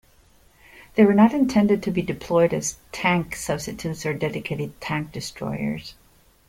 They were not intended to be deployed as tank substitutes or dedicated tank destroyers.